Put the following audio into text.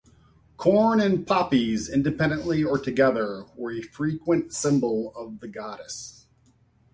Corn and poppies, independently or together, were a frequent symbol of the goddess.